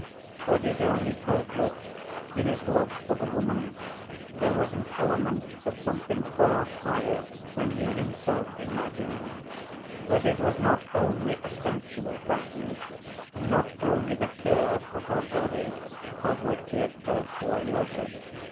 But it only proved that, in his love for the woman, there was an element of something far higher than he himself imagined, that it was not only a sensual passion, not only the "curve of her body," of which he had talked to Alyosha.